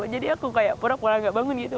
jadi aku kayak pura pura gak bangun gitu